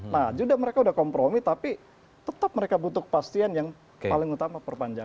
nah sudah mereka sudah kompromi tapi tetap mereka butuh kepastian yang paling utama perpanjangan